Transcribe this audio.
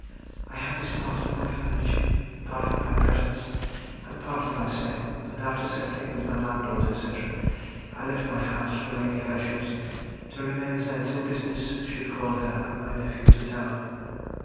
_—I had disposed of my furniture, partly by presents and partly by sale; and after settling with my landlord, &c., I left my house for Lady Herschel's, to remain there till business should call her and my nephew to town.